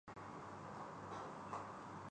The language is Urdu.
حد سے تجاوز بھی ہوتا ہے کہ انسان کا وتیرہ یہی ہے۔